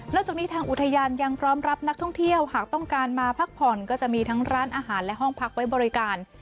แล้วจากนี้ทางอุทยานยังพร้อมรับนักท่องเที่ยวหากต้องการมาพักผ่อนก็จะมีทั้งร้านอาหารและห้องพักไว้บริการ